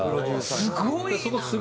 すごいな！